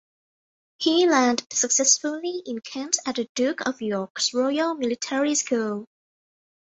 He landed successfully in Kent at the Duke of York's Royal Military School.